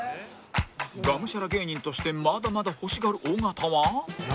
ガムシャラ芸人としてまだまだ欲しがる尾形は